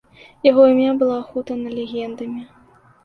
Яго імя было ахутана легендамі.